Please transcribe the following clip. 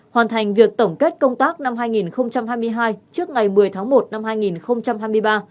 hoàn thành việc tổng kết công tác năm hai nghìn hai mươi hai trước ngày một mươi tháng một năm hai nghìn hai mươi ba